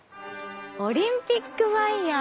オリンピックファイヤー！